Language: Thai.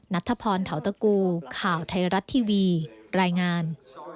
ข้าขอโทษทีครับขอโทษทีครับขอโทษทีครับ